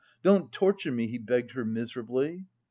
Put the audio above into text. don't torture me," he begged her miserably.